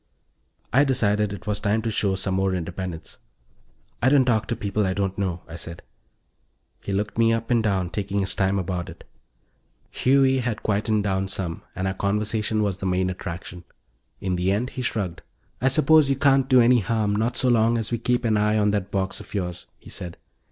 I decided it was time to show some more independence. "I don't talk to people I don't know," I said. He looked me up and down, taking his time about it. Huey had quieted down some, and our conversation was the main attraction. In the end he shrugged. "I suppose you can't do any harm, not so long as we keep an eye on that box of yours," he said.